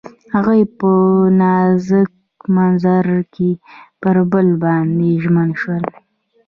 هغوی په نازک منظر کې پر بل باندې ژمن شول.